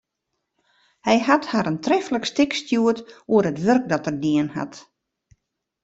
Hy hat har in treflik stik stjoerd oer it wurk dat er dien hat.